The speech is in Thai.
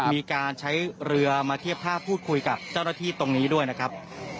มีการใช้เรือมาเทียบท่าพูดคุยกับเจ้าหน้าที่ตรงนี้ด้วยนะครับ